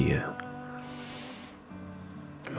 terima kasih ya mas